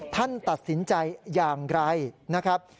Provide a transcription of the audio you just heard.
ท่านตัดสินใจอย่างไรนะครับ